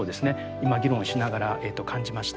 今議論しながら感じました。